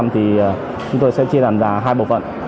thì chúng tôi sẽ chia làm giả hai bộ phận